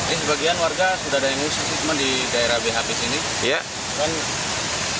ini sebagian warga sudah ada yang mengusir di daerah bhp sini